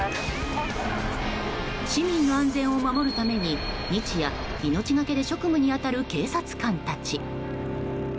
市民の安全を守るために日夜、命がけで職務に当たる警察官たち。